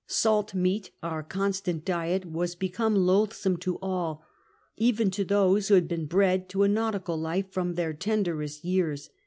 Salt meat, our constant diet, was become loathsome to all, even to those who had been bred to a nautical life from their tenderest years.